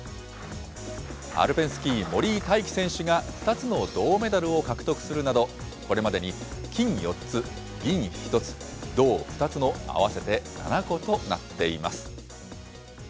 アルペンスキー、森井大輝選手が２つの銅メダルを獲得するなど、これまでに金４つ、銀１つ、銅２つの合わせて７個となっています。